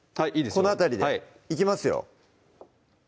この辺りでいきますよ